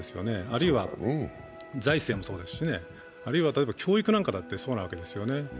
あるいは財政もそうですし、例えば教育だってそうなわけですよね。